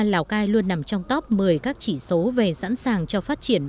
lào cai luôn nằm trong top một mươi các chỉ số về sẵn sàng cho phát triển